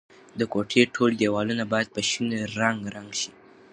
د کوټې ټول دیوالونه باید په شین رنګ رنګ شي.